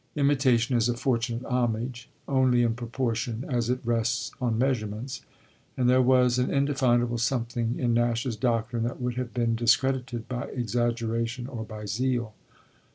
Imitation is a fortunate homage only in proportion as it rests on measurements, and there was an indefinable something in Nash's doctrine that would have been discredited by exaggeration or by zeal.